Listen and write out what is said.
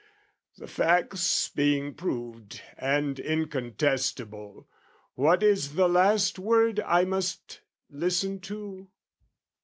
The facts being proved and incontestable, What is the last word I must listen to?